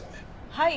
はい。